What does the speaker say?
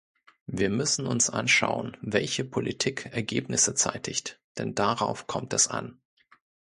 Wir müssen uns anschauen, welche Politik Ergebnisse zeitigt, denn darauf kommt es an.